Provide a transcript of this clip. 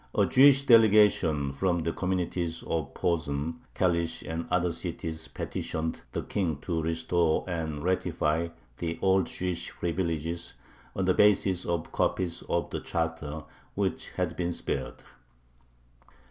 A Jewish delegation from the communities of Posen, Kalish, and other cities petitioned the King to restore and ratify the old Jewish privileges, on the basis of copies of the charter which had been spared.